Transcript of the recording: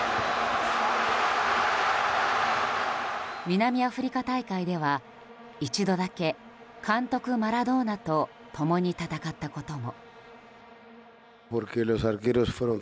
南アフリカ大会では、一度だけ監督マラドーナと共に戦ったことも。